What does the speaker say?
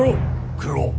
九郎。